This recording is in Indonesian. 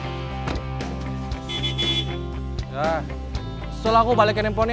ya setelah aku balikin handphonenya